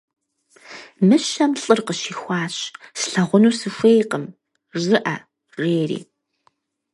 Мыщэм лӀыр къыщихуащ: - «Слъагъуну сыхуейкъым» жыӀэ, - жери.